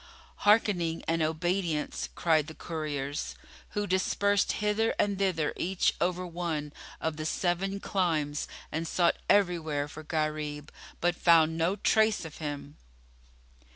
"Harkening and obedience!" cried the couriers, who dispersed hither and thither each over one of the Seven Climes and sought everywhere for Gharib, but found no trace of him.